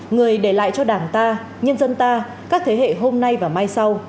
người để lại cho đảng ta nhân dân ta các thế hệ hôm nay và mai sau